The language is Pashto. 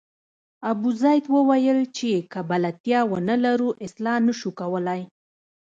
ابوزید وویل چې که بلدتیا ونه لرو اصلاح نه شو کولای.